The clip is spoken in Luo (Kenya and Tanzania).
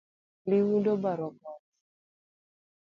Liudu obaro koch .